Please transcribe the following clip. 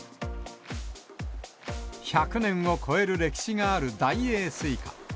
１００年を超える歴史がある大栄スイカ。